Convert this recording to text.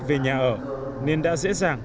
về nhà ở nên đã dễ dàng